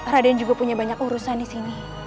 raden juga punya banyak urusan disini